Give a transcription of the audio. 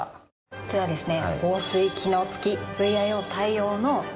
こちらですね。